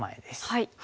はい。